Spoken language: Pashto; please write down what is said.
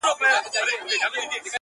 پاچا وغوښته نجلۍ واده تیار سو.!